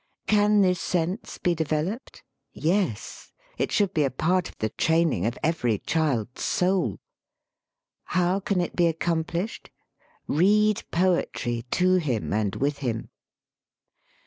Can this sense be developed? Yes! It should be a part of 112 LYRIC POETRY the training of every child's soul. How can it be accomplished? Read poetry to him and with him.